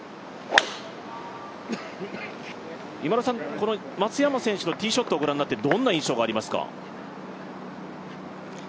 この松山選手のティーショットをご覧になってどんな印象がありますか？